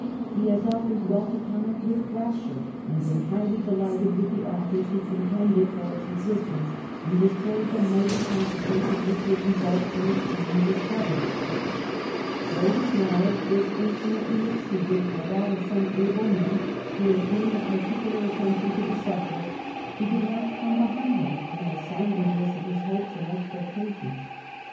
Ho has often dwelt upon it with rapture, and been highly delighted with tlic authors who contended for its existence, and displayed the mighty consequences which would result from its being discovered. Though his knowledge was infinitely exceeded by that of some able men who had paid a particular attention to the subject^ ho did not come behind them in the sanguineness of his hopes and expectations."